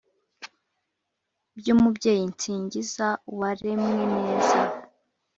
By'Umubyeyi nsingiza uwaremwe neza.